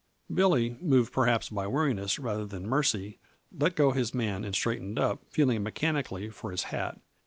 Billy, moved perhaps by weariness rather than mercy, let go his man and straightened up, feeling mechanically for his hat.